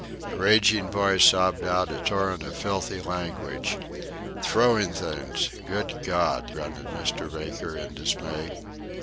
A raging voice sobbed out a torrent of filthy language... "Throwing things good God!" grunted Mr. Baker in dismay.